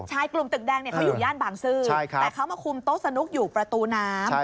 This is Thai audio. กลุ่มตึกแดงเขาอยู่ย่านบางซื่อแต่เขามาคุมโต๊ะสนุกอยู่ประตูน้ำ